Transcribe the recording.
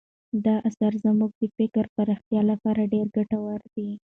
دا اثر زموږ د فکري پراختیا لپاره ډېر ګټور دی.